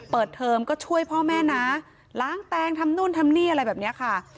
เทอมก็ช่วยพ่อแม่นะล้างแตงทำนู่นทำนี่อะไรแบบนี้ค่ะ